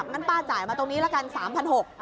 อย่างนั้นป้าจ่ายมาตรงนี้แล้วกัน๓๖๐๐บาท